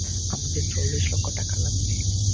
আমাদের চল্লিশ লক্ষ টাকা লাগবে।